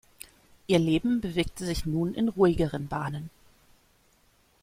Ihr Leben bewegte sich nun in ruhigeren Bahnen.